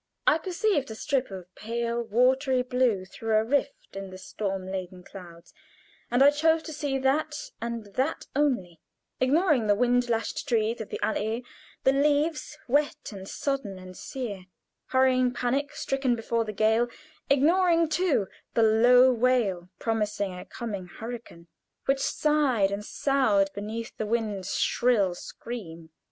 I perceived a strip of pale, watery blue through a rift in the storm laden clouds, and I chose to see that, and that only, ignoring the wind lashed trees of the allee; the leaves, wet, and sodden and sere, hurrying panic stricken before the gale, ignoring, too, the low wail promising a coming hurricane, which sighed and soughed beneath the wind's shrill scream.